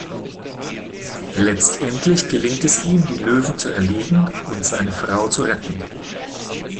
Letztendlich gelingt es ihm, die Löwen zu erlegen und seine Frau zu retten.